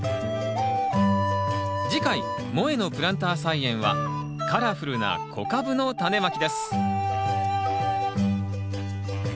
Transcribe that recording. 次回「もえのプランター菜園」はカラフルな小カブのタネまきです